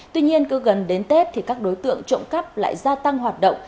tuy nhiên cứ gần đến tết thì các đối tượng trộm cắp lại gia tăng hoạt động